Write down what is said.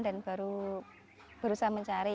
dan baru berusaha mencari